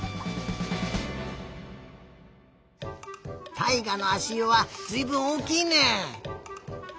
たいがのあしゆはずいぶんおおきいね。